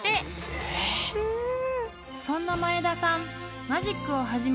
［そんな前田さん］